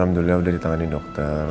alhamdulillah udah ditangani dokter